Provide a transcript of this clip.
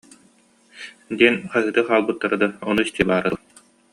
диэн хаһыытыы хаалбыттара да, ону истиэ баара дуо